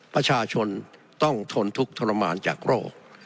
ประชาชนต้องทนทุกข์ทรมานจากโรค